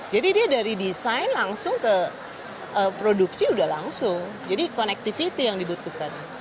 jadi dia dari desain langsung ke produksi udah langsung jadi connectivity yang dibutuhkan